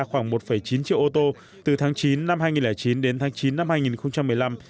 khoảng một chín triệu ô tô từ tháng chín năm hai nghìn chín đến tháng chín năm hai nghìn một mươi năm